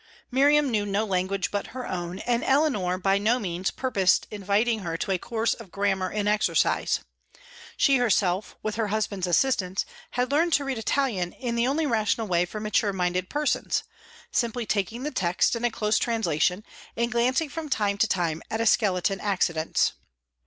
Miriam knew no language but her own, and Eleanor by no means purposed inviting her to a course of grammar and exercise. She herself, with her husband's assistance, had learned to read Italian in the only rational way for mature minded persons simply taking the text and a close translation, and glancing from time to time at a skeleton accidence.